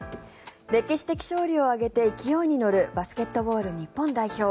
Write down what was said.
歴史的勝利を挙げて勢いに乗るバスケットボール日本代表。